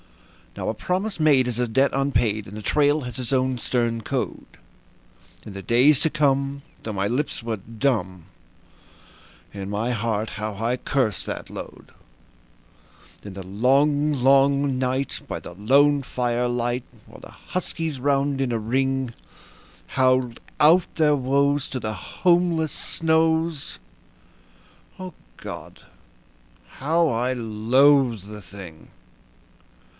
Now a promise made is a debt unpaid, and the trail has its own stern code. In the days to come, though my lips were dumb, in my heart how I cursed that load. In the long, long night, by the lone firelight, while the huskies, round in a ring, Howled out their woes to the homeless snows O God! how I loathed the thing.